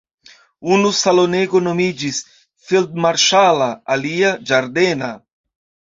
Unu salonego nomiĝis "feldmarŝala" alia "ĝardena".